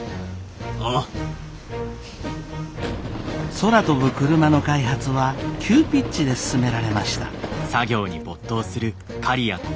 空飛ぶクルマの開発は急ピッチで進められました。